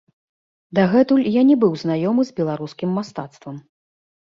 Дагэтуль я не быў знаёмы з беларускім мастацтвам.